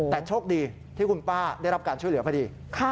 แต่โชคดีที่คุณป้าได้รับการช่วยเหลือพอดี